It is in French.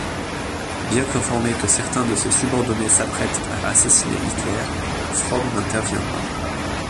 Bien qu'informé que certains de ses subordonnés s'apprêtent à assassiner Hitler, Fromm n'intervient pas.